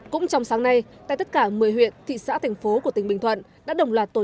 cũng trong sáng nay tại tất cả một mươi huyện thị xã thành phố của tỉnh bình thuận đã đồng loạt tổ